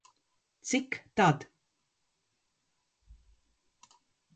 Cik tad